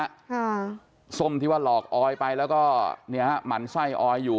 ค่ะส้มที่ว่าหลอกออยไปแล้วก็เนี่ยฮะหมั่นไส้ออยอยู่